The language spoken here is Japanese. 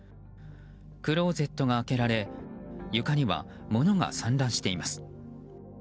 クローゼットが開けられ床には、ものが散乱しています。